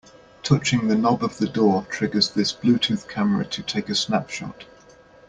Touching the knob of the door triggers this Bluetooth camera to take a snapshot.